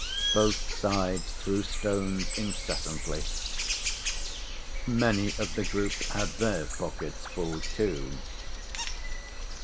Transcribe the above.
Both sides threw stones incessantly. Many of the group had their pockets full too.